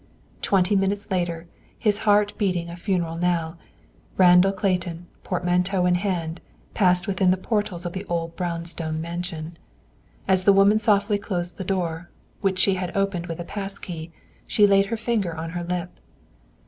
Twenty minutes later, his heart beating a funeral knell, Randall Clayton, portmanteau in hand, passed within the portals of the old brownstone mansion. As the woman softly closed the door, which she had opened with a pass key, she laid her finger on her lip.